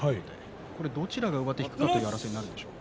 どちらが上手を引くかという争いになりますか？